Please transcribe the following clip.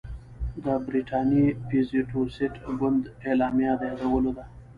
د برټانیې پازیټویسټ ګوند اعلامیه د یادولو ده.